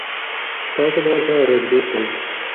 تاسو به ورسره روږدي سئ.